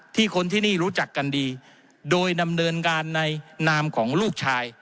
คนที่นี่รู้จักกันดีโดยดำเนินการในนามของลูกชาย